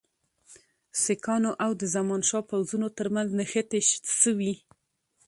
سیکهانو او د زمانشاه پوځونو ترمنځ نښتې سوي.